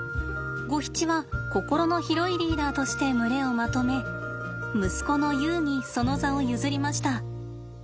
ゴヒチは心の広いリーダーとして群れをまとめ息子のユウにその座を譲りました。